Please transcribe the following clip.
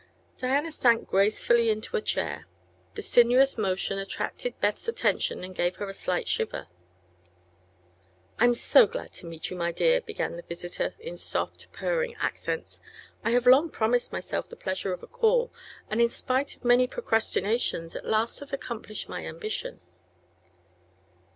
Diana sank gracefully into a chair. The sinuous motion attracted Beth's attention and gave her a slight shiver. "I am so glad to meet you, my dear," began the visitor, in soft, purring accents. "I have long promised myself the pleasure of a call, and in spite of many procrastinations at last have accomplished my ambition."